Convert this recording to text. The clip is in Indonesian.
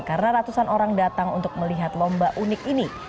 karena ratusan orang datang untuk melihat lomba unik ini